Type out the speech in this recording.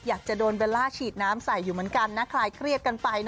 อยากจะโดนเบลล่าฉีดน้ำใส่อยู่เหมือนกันนะคลายเครียดกันไป